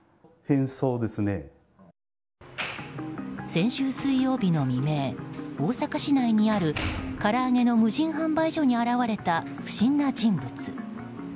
先週水曜日の未明大阪市内にある唐揚げの無人販売所に現れた不審な人物。